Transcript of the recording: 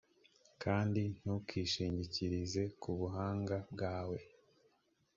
kandi ntukishingikirize ku buhanga bwawe